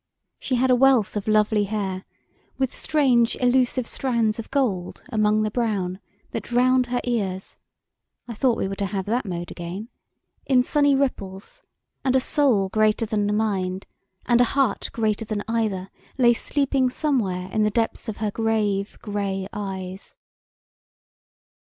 She had a wealth of lovely hair, with strange elusive strands of gold among the brown, that drowned her ears (I thought we were to have that mode again?) in sunny ripples; and a soul greater than the mind, and a heart greater than either, lay sleeping somewhere in the depths of her grave, gray eyes.